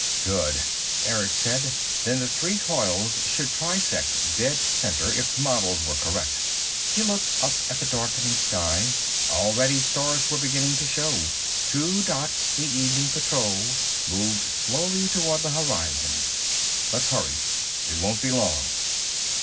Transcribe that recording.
"Good," Erick said. "Then the three coils should trisect dead center, if the models were correct." He looked up at the darkening sky. Already, stars were beginning to show. Two dots, the evening patrol, moved slowly toward the horizon. "Let's hurry. It won't be long."